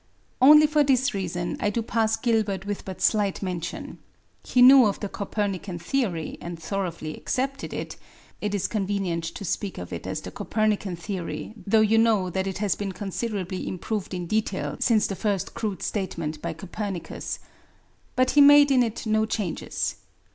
Only for this reason do I pass Gilbert with but slight mention. He knew of the Copernican theory and thoroughly accepted it (it is convenient to speak of it as the Copernican theory, though you know that it had been considerably improved in detail since the first crude statement by Copernicus), but he made in it no changes.